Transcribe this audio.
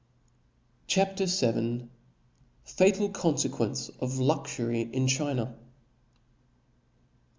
CHAR vir Fatal Con/equence of Luxury in China.